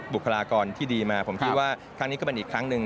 บุคลากรที่ดีมาผมคิดว่าครั้งนี้ก็เป็นอีกครั้งหนึ่ง